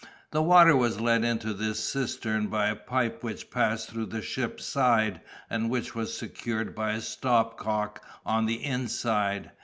The water was let into this cistern by a pipe which passed through the ship's side, and which was secured by a stopcock on the inside.